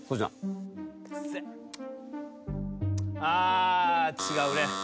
あ違うね。